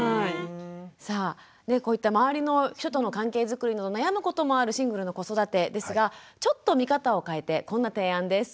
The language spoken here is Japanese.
さあこういった周りの人との関係づくりなど悩むこともあるシングルの子育てですがちょっと見方を変えてこんな提案です。